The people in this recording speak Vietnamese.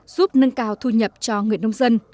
giúp nâng cao thu nhập cho người nông dân